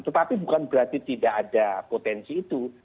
tetapi bukan berarti tidak ada potensi itu